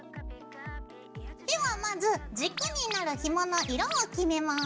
ではまず軸になるひもの色を決めます。